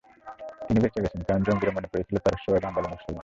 তিনি বেঁচে গেছেন, কারণ জঙ্গিরা মনে করেছিল তারা সবাই বাঙালি মুসলমান।